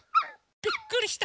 びっくりした！